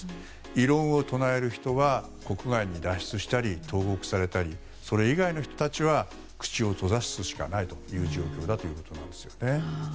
異論を唱える人は国外に脱出したり投獄されたりそれ以外の人たちは口を閉ざすしかない状況だということなんですよね。